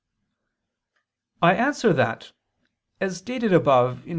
I answer that, As stated above (Q.